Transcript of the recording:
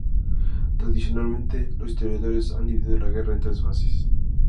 Tradicionalmente, los historiadores han dividido la guerra en tres fases.